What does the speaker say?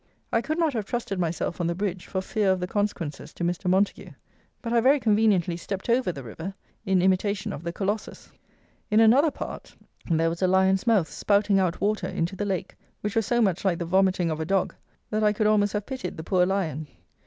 I could not have trusted myself on the bridge for fear of the consequences to Mr. MONTAGUE; but I very conveniently stepped over the river, in imitation of the Colossus. In another part there was a lion's mouth spouting out water into the lake, which was so much like the vomiting of a dog, that I could almost have pitied the poor Lion.